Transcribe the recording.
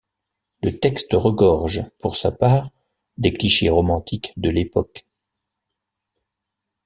Le texte regorge pour sa part des clichés romantiques de l'époque.